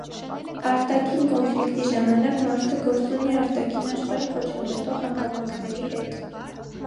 Արտաքին կոնֆլիկտի ժամանակ մարդը գործ ունի արտաքին աշխարհի խոչընդոտող հանգամանքների հետ։